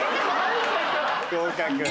合格。